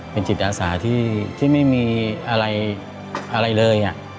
เป็นจิตอาสาที่ไม่มีอะไรเลย